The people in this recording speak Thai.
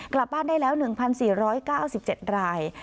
กลับบ้านได้แล้ว๑๔๙๗ราย